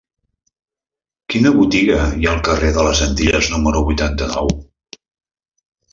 Quina botiga hi ha al carrer de les Antilles número vuitanta-nou?